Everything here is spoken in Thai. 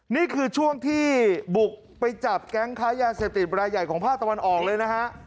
นี่คือช่วงที่บุกไปจับแก๊งค้ายาเสพติดรายใหญ่ของภาคตะวันออกเลยนะฮะ